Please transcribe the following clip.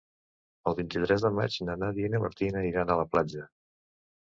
El vint-i-tres de maig na Nàdia i na Martina iran a la platja.